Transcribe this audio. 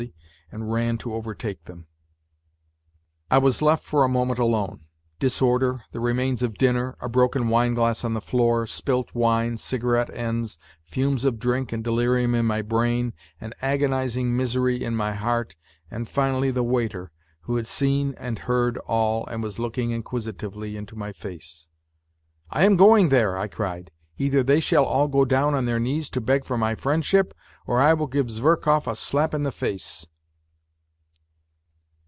ly, and ran to overtake them. i 114 NOTES FROM UNDERGROUND I was left for a moment alone. Disorder, the remains of dinner, a broken wine glass on the floor, spilt wine, cigarette ends, fumes of drink and delirium in my brain, an agonizing misery in my heart and finally the waiter, who had seen and heard all and was looking inquisitively into my face. " I am going there !" I cried. " Either they shall all go down on their knees to beg for my friendship, or I will give Zverkov a slap in the face